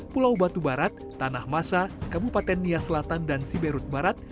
pulau batu barat tanah masa kabupaten nia selatan dan siberut barat